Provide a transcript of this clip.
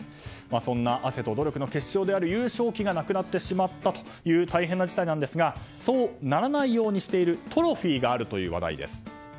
そんな汗と努力の結晶である優勝旗がなくなってしまったという大変な事態なんですがそうならないようにしているトロフィーがあるという話題です。